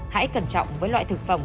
hãy cẩn trọng với loại thực phẩm